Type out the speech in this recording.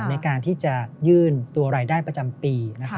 ในการที่จะยื่นตัวรายได้ประจำปี